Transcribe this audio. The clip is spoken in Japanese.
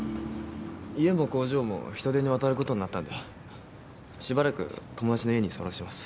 家も工場も人手に渡ることになったんでしばらく友達の家に居候します。